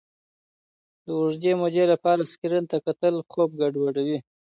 د اوږدې مودې لپاره سکرین ته کتل خوب ګډوډوي.